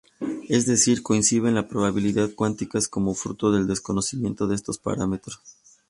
Es decir, conciben las probabilidades cuánticas como fruto del desconocimiento de estos parámetros.